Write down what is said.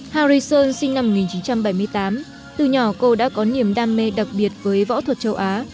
harison sinh năm một nghìn chín trăm bảy mươi tám từ nhỏ cô đã có niềm đam mê đặc biệt với võ thuật châu á